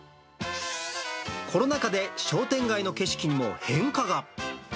コロナ禍で商店街の景色にも変化が。